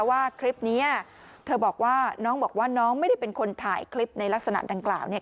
ว่าคลิปนี้เธอบอกว่าน้องบอกว่าน้องไม่ได้เป็นคนถ่ายคลิปในลักษณะดังกล่าวเนี่ย